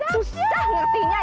susah ngertinya ya